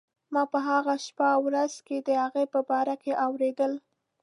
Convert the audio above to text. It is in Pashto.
ما په هغو شپو ورځو کې د هغه په باره کې اورېدل.